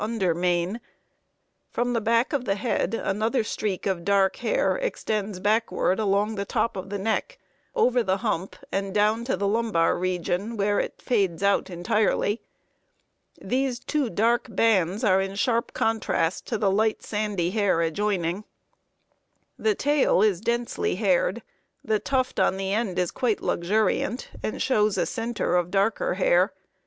From the back of the head another streak of dark hair extends backward along the top of the neck, over the hump, and down to the lumbar region, where it fades out entirely. These two dark bands are in sharp contrast to the light sandy hair adjoining. The tail is densely haired. The tuft on the end is quite luxuriant, and shows a center of darker hair.